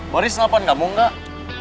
boris apa gak mau gak